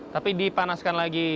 tapi dipanaskan lagi